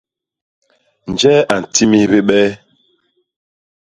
Njee a ntimis bibee?